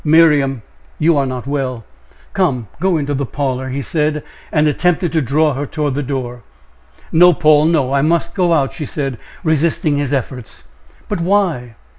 "Miriam, you are not well come, go into the parlor," he said, and attempted to draw her toward the door. "No, Paul, no! I must go out," she said, resisting his efforts. "But why?"